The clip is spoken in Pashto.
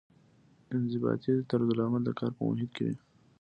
انضباطي طرزالعمل د کار په محیط کې وي.